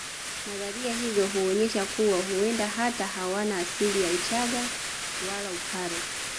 Nadharia hizo huonyesha kuwa huenda hata hawana asili ya uchaga wala upare